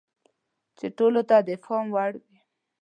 چې ټولو ته د افهام وړ وي.